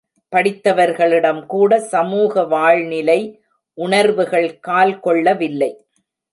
படித்தவர்களிடம் கூட சமூக வாழ்நிலை உணர்வுகள் கால்கொள்ளவில்லை.